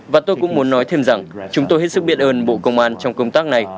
và tôi cũng muốn nói thêm rằng chúng tôi hết sức biện ơn bộ công an trong công tác này